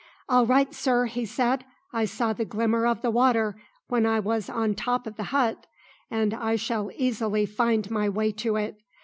"All right, sir," he said; "I saw the glimmer of the water when I was on the top of the hut, and I shall easily find my way to it.